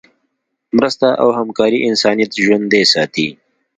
مرسته او همکاري انسانیت ژوندی ساتي.